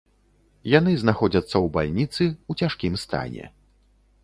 Яны знаходзяцца ў бальніцы у цяжкім стане.